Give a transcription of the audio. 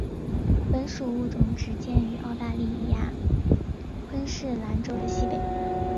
本属物种只见于澳大利亚昆士兰州的西北部。